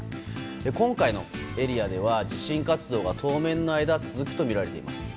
今回のエリアでは地震活動が当面の間続くとみられています。